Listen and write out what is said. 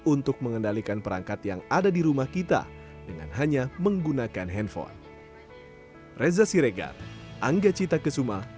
untuk mengendalikan perangkat yang ada di rumah kita dengan hanya menggunakan handphone